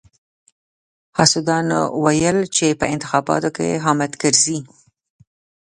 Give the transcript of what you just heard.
حاسدانو ويل چې په انتخاباتو کې حامد کرزي.